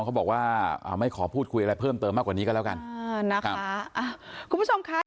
คำว่ามันกับเจมันแตกต่างกันอยู่แล้วครับ